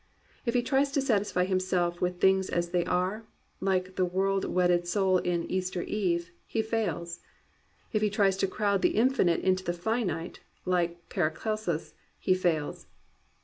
If he tries to satisfy himself with things as they are, like the world wedded soul in Easter Eve, he fails. If he tries to crowd the infinite into the finite, like Paracelsus, he fails.